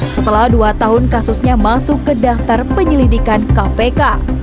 setelah dua tahun kasusnya masuk ke daftar penyelidikan kpk